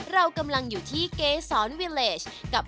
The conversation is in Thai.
ได้ครับยินดีเลยครับ